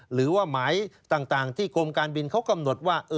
หรือว่าหมายต่างที่กรมการบินเขากำหนดว่า